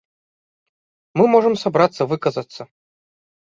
Мы можам сабрацца, выказацца.